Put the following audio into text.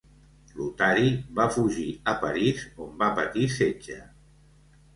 Lotari va fugir a Paris on va patir setge.